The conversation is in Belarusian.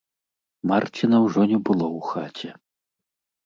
Марціна ўжо не было ў хаце.